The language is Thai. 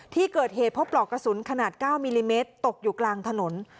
ที่เกิดเหตุพบปลอกกระสุนขนาด๙มิลลิเมตรตกอยู่กลางถนน